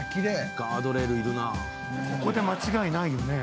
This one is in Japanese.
ここで間違いないよね？